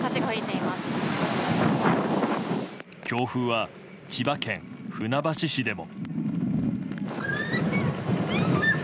強風は千葉県船橋市でも。